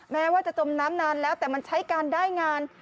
แม้ว่าจะจมน้ำนานแล้วแต่มันใช้การได้งาน